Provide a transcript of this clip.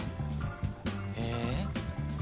え？